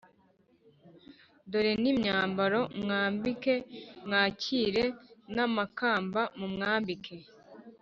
dore n’imyambaro mumwambike, mwakire n’amakamba mumwambike.’